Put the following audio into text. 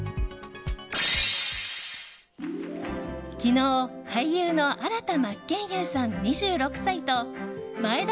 昨日俳優の新田真剣佑さん、２６歳と眞栄田